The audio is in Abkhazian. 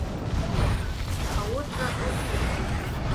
Ауҭра ықәихуеит.